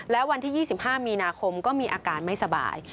และวันที่๒๕มีนาคมก็มีอาการไม่สบาย